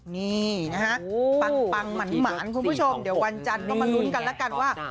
นี่นะฮะปังหมานคุณผู้ชมเดี๋ยววันจันทร์ก็มาลุ้นกันแล้วกันว่า